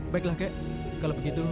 padahal aku tahu